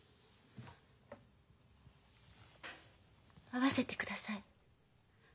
会わせてください。